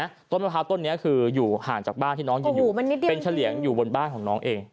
เห็นไหมต้นมะพร้าวต้นนี้คืออยู่ห่างจากบ้านที่น้องเป็นเฉลี่ยงอยู่บนบ้านของน้องเอง